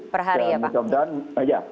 per hari ya pak